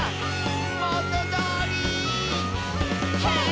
「もとどおり」「ヘイ！」